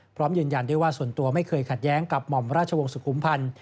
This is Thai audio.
พร้อมยืนยันด้วยว่าส่วนตัวไม่เคยขัดแย้งกับหม่อมราชวงศ์สุขุมพันธ์